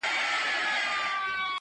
• بې دلیله څارنواله څه خفه وي..